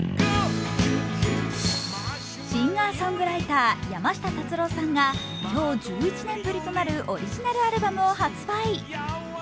シンガーソングライター山下達郎さんが今日１１年ぶりとなるオリジナルアルバムを発売。